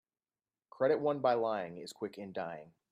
Credit won by lying is quick in dying.